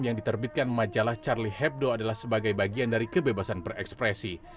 yang diterbitkan majalah charlie hebdo adalah sebagai bagian dari kebebasan berekspresi